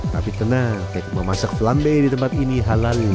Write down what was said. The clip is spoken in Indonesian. tapi tenang memasak flambe di tempat ini halal